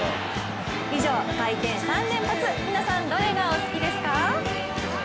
以上、回転３連発皆さん、どれがお好きですか？